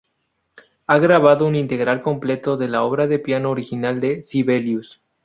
Ha grabado un integral completo de la obra de piano original de Sibelius.